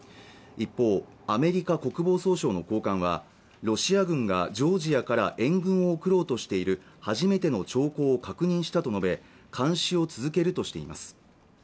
一方アメリカ国防総省の高官はロシア軍がジョージアから援軍を送ろうとしている初めての兆候を確認したと述べ監視を続けるとしています